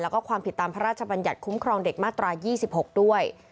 แล้วก็ความผิดตามพระราชบัญญัติคุ้มครองเด็กมาตรา๒๖ด้วย